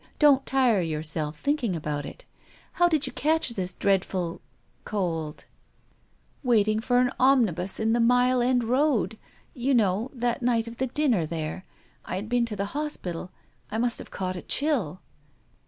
Don't tire yourself, thinking about it all. How did you catch this dreadful — cold ?"" Waiting for an omnibus in the Mile End Road. You know that night of the dinner here. I had been to the hospital. I must have caught a chill."